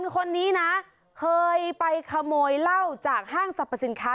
คนนี้นะเคยไปขโมยเหล้าจากห้างสรรพสินค้า